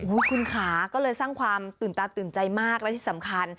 คุณขาก็เลยสร้างความตื่นตาตื่นใจมากและที่สำคัญ